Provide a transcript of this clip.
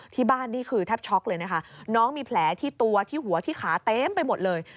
นี่คือแทบช็อกเลยนะคะน้องมีแผลที่ตัวที่หัวที่ขาเต็มไปหมดเลย